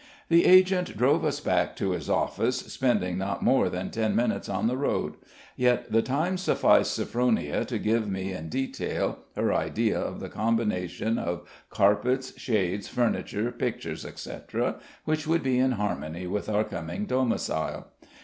The agent drove us back to his office, spending not more than ten minutes on the road; yet the time sufficed Sophronia to give me in detail her idea of the combination of carpets, shades, furniture, pictures, etc., which would be in harmony with our coming domicile.